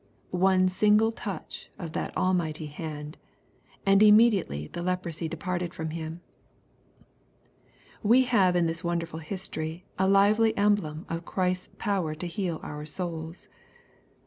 One single touch of that almighty hand !" And im mediately the leprosy departed from him." We have in this wonderful history a lively emblem of Christ's power to heal our souls.